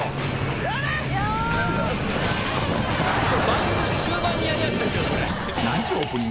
番組の終盤にやるやつですよこれ。